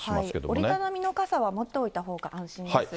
折り畳みの傘は持っておいたほうが安心です。